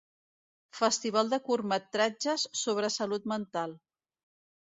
Festival de curtmetratges sobre salut mental.